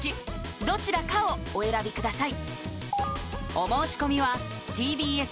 どちらかをお選びください